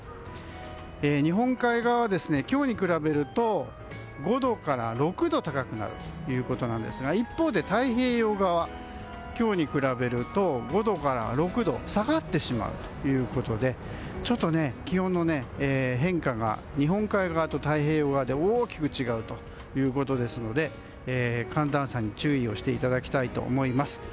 日本海側は今日に比べると５度から６度高くなるということですが一方で太平洋側、今日に比べると５度から６度下がってしまうということでちょっと気温の変化が日本海側と太平洋側で大きく違うということですので寒暖差に注意をしていただきたいと思います。